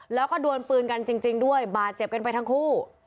แล้วก็ดวนปืนกันจริงด้วยบาดเจ็บกันไปทั้งคู่